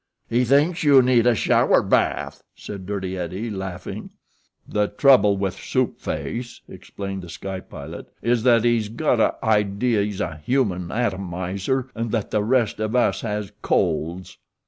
"He thinks you need a shower bath," said Dirty Eddie, laughing. "The trouble with Soup Face," explained The Sky Pilot, "is that he's got a idea he's a human atomizer an' that the rest of us has colds."